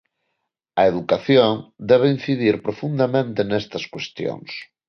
A educación debe incidir profundamente nestas cuestións.